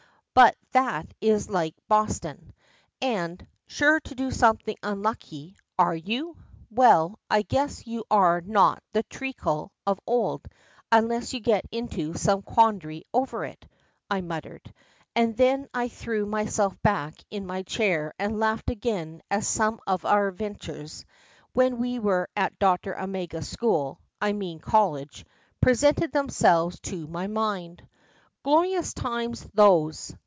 but that is like Boston. And 'sure to do something unlucky,' are you? Well, I guess you are not the 'Treacle' of old unless you get into some quandary over it," I muttered; and then I threw myself back in my chair and laughed again as some of our adventures, when we were at Dr. Omega's school I mean college presented themselves to my mind. Glorious times those!